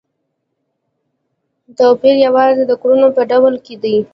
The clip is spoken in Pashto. توپیر یوازې د کړنو په ډول کې دی.